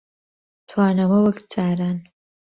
توانەوە وەک جاران